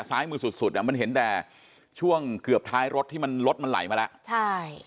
ซ้ายมือสุดสุดอ่ะมันเห็นแต่ช่วงเกือบท้ายรถที่มันรถมันไหลมาแล้วใช่